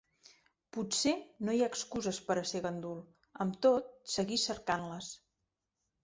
Potser no hi ha excuses per a ser gandul; amb tot, seguisc cercant-les.